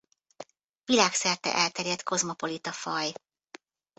Világszerte elterjedt kozmopolita faj.